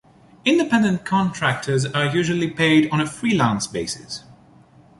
Independent contractors are usually paid on a freelance basis.